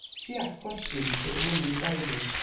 She asked questions that the woman evaded.